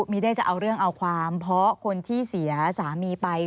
ไม่ได้จะเอาเรื่องเอาความเพราะคนที่เสียสามีไป